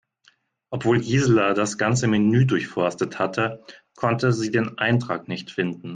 Obwohl Gisela das ganze Menü durchforstet hatte, konnte sie den Eintrag nicht finden.